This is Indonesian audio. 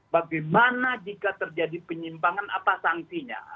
bagaimana jika terjadi penyimpangan apa sanksinya